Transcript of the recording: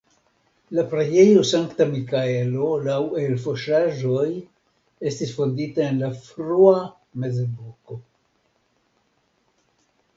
La preĝejo Sankta Mikaelo laŭ elfosaĵoj estis fondita en la frua mezepoko.